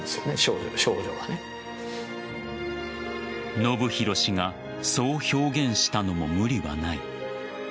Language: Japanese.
延啓氏がそう表現したのも無理はない。